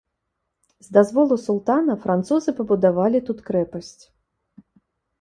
З дазволу султана французы пабудавалі тут крэпасць.